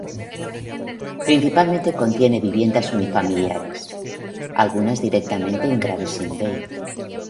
Principalmente contiene viviendas unifamiliares, algunas directamente en Gravesend Bay.